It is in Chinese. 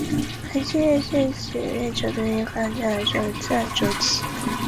这是日本的民用航空事业萌芽期的一个重要机场。